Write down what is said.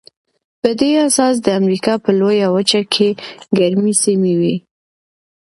په دې اساس د امریکا په لویه وچه کې ګرمې سیمې وې.